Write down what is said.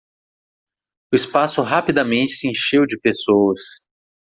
O espaço rapidamente se encheu de pessoas.